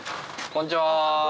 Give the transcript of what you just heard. こんにちは。